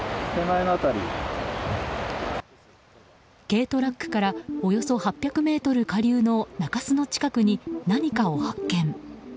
軽トラックからおよそ８００ｍ下流の中州の近くに何かを発見。